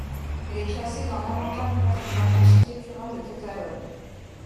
Elle est classée dans l'Inventaire du patrimoine architectural de Catalogne.